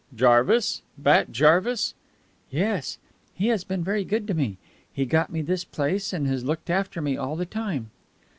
"Jarvis? Bat Jarvis?" "Yes. He has been very good to me. He got me this place, and has looked after me all the time."